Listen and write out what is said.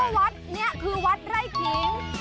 วัดนี้คือวัดไร่ขิง